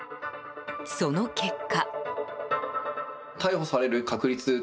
その結果。